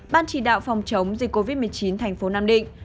ban chỉ đạo phòng chống dịch covid một mươi chín thành phố nam định